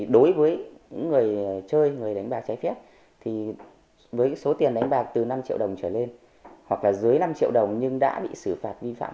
đối với những người chơi người đánh bạc trái phép với số tiền đánh bạc từ năm triệu đồng trở lên hoặc là dưới năm triệu đồng nhưng đã bị xử phạt vi phạm